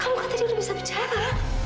kamu kan tadi sudah bisa bicara